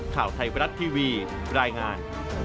ข่าวไทยบรัฐทีวีรายงาน